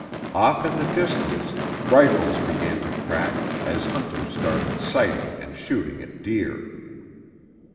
Off in the distance, rifles began to crack as hunters started sighting and shooting at deer.